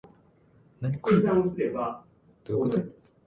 う ｍ ぬ ｊｎ